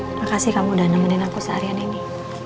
terima kasih kamu udah nemenin aku seharian ini